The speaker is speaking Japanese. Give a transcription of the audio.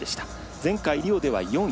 前回リオでは４位。